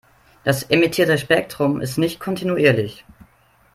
Das emittierte Spektrum ist nicht kontinuierlich.